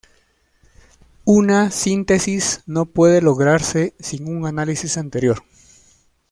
Una síntesis no puede lograrse sin un análisis anterior.